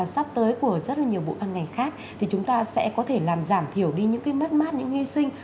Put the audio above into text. sắp tới của rất là nhiều bộ ban ngành khác thì chúng ta sẽ có thể làm giảm thiểu đi những cái mất mát những hy sinh